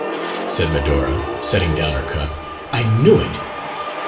said Medora, setting down her cup; "I knew it!"